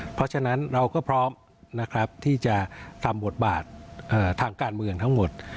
เพราะฉะนั้นเราก็พร้อมนะครับที่จะทำบทบาททางการเมืองทั้งหมด